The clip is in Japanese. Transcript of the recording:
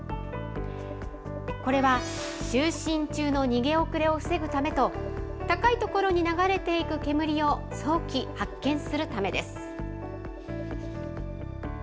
これは就寝中の逃げ遅れを防ぐためと、高い所に流れていく煙を早期発見するためです。